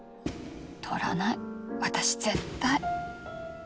捕らない私絶対！